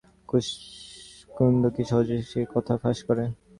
কুন্দ কি সহজে সে কথা ফাঁস করে?